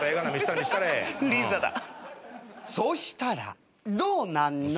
「そうしたらどうなんの？」。